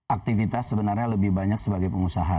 aktivitas sebenarnya lebih banyak sebagai pengusaha